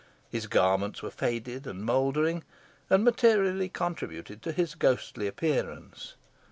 His garments were faded and mouldering, and materially contributed to his ghostly appearance.